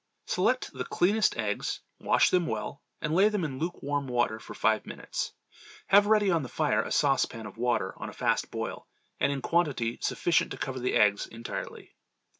Select the cleanest eggs, wash them well, and lay them in lukewarm water for five minutes. Have ready on the fire a saucepan of water on a fast boil, and in quantity sufficient to cover the eggs entirely.